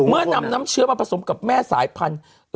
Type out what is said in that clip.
เมื่อนำน้ำเชื้อมาผสมกับแม่สายพันธุ์